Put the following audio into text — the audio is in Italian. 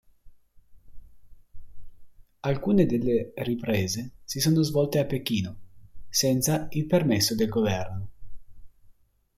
Alcune delle riprese si sono svolte a Pechino, senza il permesso del governo.